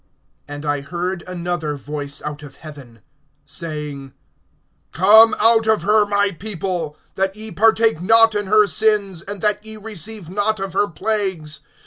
(4)And I heard another voice out of heaven, saying: Come out of her, my people, that ye partake not in her sins, and that ye receive not of her plagues.